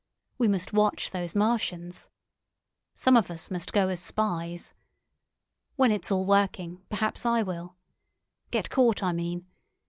We must watch these Martians. Some of us must go as spies. When it's all working, perhaps I will. Get caught, I mean.